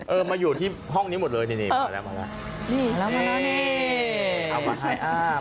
เออมาอยู่ที่ห้องนี้หมดเลยนี่นี่มาแล้วมาแล้วนี่เอามาถ่ายอ้าว